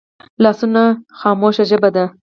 لاسونه خاموشه ژبه ده